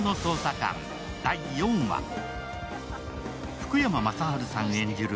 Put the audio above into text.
福山雅治さん演じる